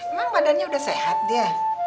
emang badannya udah sehat dia